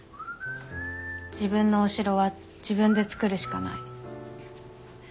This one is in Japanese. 自分のお城は自分で作るしかない。